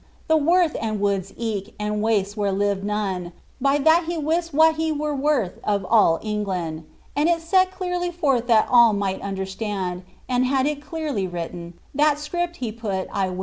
The worth, and woods eke, and wastes where lived none ; By that he wist what he were worth of all England, And set it clearly forth that all might understand, And had it clearly written, and that 9cript he put, I wis.